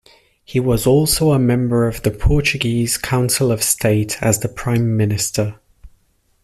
He was also a Member of the Portuguese Council of State as the Prime-Minister.